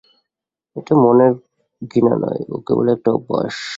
ওটা মনের ঘৃণা নয়, ও কেবল একটা অভ্যাস।